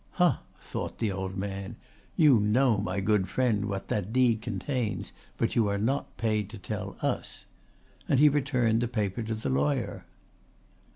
"Ha!" thought the old man; "you know, my good friend, what that deed contains, but you are not paid to tell us," and he returned the paper to the lawyer.